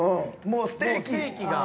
もうステーキが。